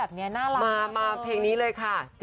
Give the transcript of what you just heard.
แบบนี้น่ารักมากเลยมาเพลงนี้เลยค่ะ